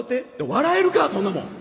「笑えるかそんなもん！